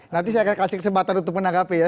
nanti saya akan kasih kesempatan untuk menanggapi ya